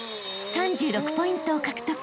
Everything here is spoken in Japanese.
３６ポイントを獲得］